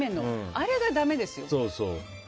あれがダメですよ。